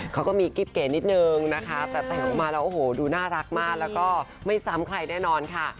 เขาก็มีกิ๊บเก๋นิดนึงนะคะแต่แต่งออกมาแล้วโอ้โหดูน่ารักมากแล้วก็ไม่ซ้ำใครแน่นอนค่ะ